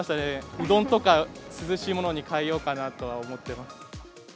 うどんとか、涼しいものに変えようかなとは思ってます。